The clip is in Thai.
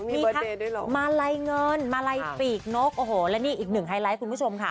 มีทั้งมาลัยเงินมาลัยปีกนกโอ้โหและนี่อีกหนึ่งไฮไลท์คุณผู้ชมค่ะ